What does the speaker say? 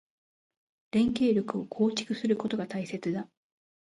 連携力を構築することが大切だ。